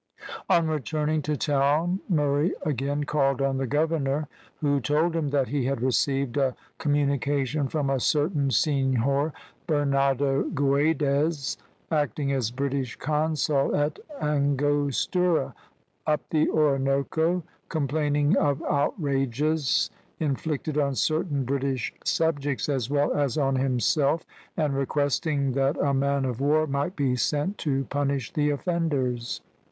On returning to town Murray again called on the governor, who told him that he had received a communication from a certain Senhor Bernado Guedes, acting as British consul at Angostura, up the Orinoco, complaining of outrages inflicted on certain British subjects as well as on himself, and requesting that a man of war might be sent to punish the offenders.